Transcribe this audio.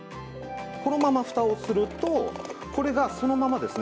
このままフタをするとこれがそのままですね